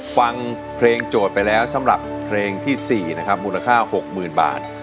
ฟังเพลงโจทย์ไปแล้วสำหรับเพลงที่๔นะครับมูลค่า๖๐๐๐บาท